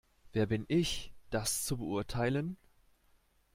Wer bin ich, das zu beurteilen?